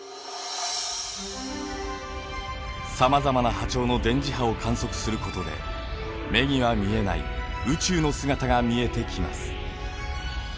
さまざまな波長の電磁波を観測することで目には見えない宇宙の姿が見えてきます。